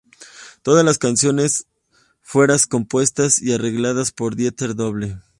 Todas las canciones fueras compuestas y arregladas por Dieter Bohlen.